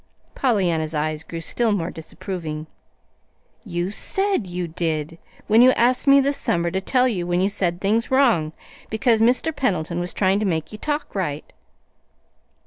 Pollyanna's eyes grew still more disapproving. "You SAID you did when you asked me this summer to tell you when you said things wrong, because Mr. Pendleton was trying to make you talk right."